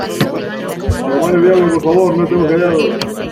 palomares, di algo. por favor , no estemos callados .